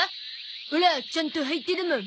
オラちゃんと履いてるもん。